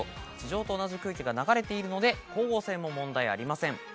地上と同じ空気が流れているので光合成も問題ありません。